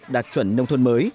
đạt chuẩn nông thôn mới